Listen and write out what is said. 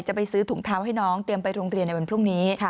จะไปซื้อถุงเท้าให้น้องเตรียมไปโรงเรียนในวันพรุ่งนี้